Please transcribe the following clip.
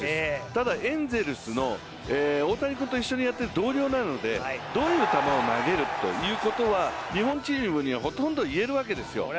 ただエンゼルスの大谷君と一緒にやってる同僚なので、どういう球を投げるということは日本チームにはほとんど言えるわけですよ。